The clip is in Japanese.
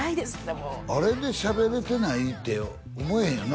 もうあれでしゃべれてないって思えへんよな